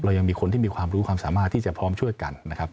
ยังมีคนที่มีความรู้ความสามารถที่จะพร้อมช่วยกันนะครับ